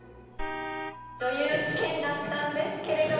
という試験だったんですけれども。